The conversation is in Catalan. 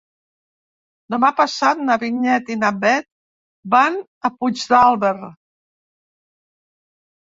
Demà passat na Vinyet i na Bet van a Puigdàlber.